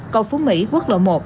cầu phú mỹ quốc lộ một